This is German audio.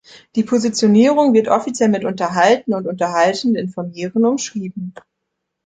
Die Positionierung wird offiziell mit „Unterhalten und unterhaltend informieren“ umschrieben.